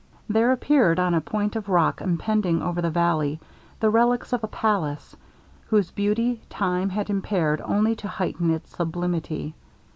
There appeared on a point of rock impending over the valley the reliques of a palace, whose beauty time had impaired only to heighten its sublimity.